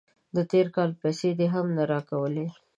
د تیر کال پیسې دې هم نه راکولې.